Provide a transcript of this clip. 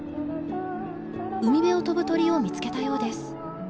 海辺を飛ぶ鳥を見つけたようです。